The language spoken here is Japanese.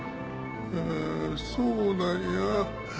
ああそうなんや。